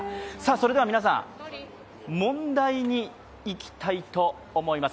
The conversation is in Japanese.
それでは皆さん、問題にいきたいと思います。